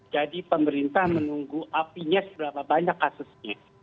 jadi pemerintah menunggu apinya seberapa banyak kasusnya